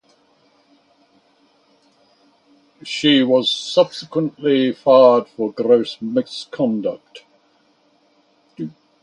She was subsequently fired for gross misconduct.